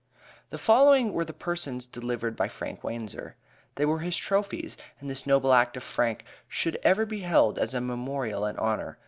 The following were the persons delivered by Frank Wanzer. They were his trophies, and this noble act of Frank's should ever be held as a memorial and honor.